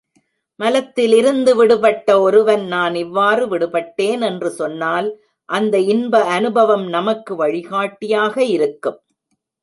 மலத்திலிருந்து விடுபட்ட ஒருவன் நான் இவ்வாறு விடுபட்டேன் என்று சொன்னால் அந்த இன்ப அநுபவம் நமக்கு வழிகாட்டியாக இருக்கும்.